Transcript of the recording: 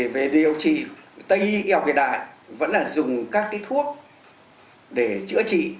về điều trị tây y học hiện đại vẫn là dùng các thuốc để chữa trị